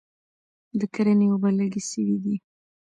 د کرني اوبه لږ سوي دي